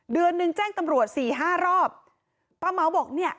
เดือนหนึ่งแจ้งตำรวจสี่ห้ารอบป้าเม้าบอกเนี่ย